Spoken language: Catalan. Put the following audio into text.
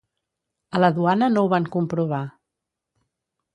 A la duana no ho van comprovar.